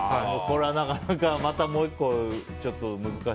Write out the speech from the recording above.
またもう１個ちょっと難しい。